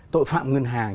tội phạm ngân hàng